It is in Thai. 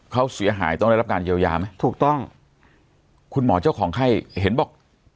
เขาเสียหายต้องได้รับการเยียวยาไหมถูกต้องคุณหมอเจ้าของไข้เห็นบอก